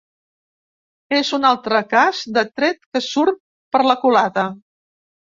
És un altre cas de tret que surt per la culata.